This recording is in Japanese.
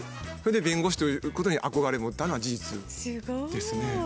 それで弁護士ということに憧れ持ったのは事実ですね。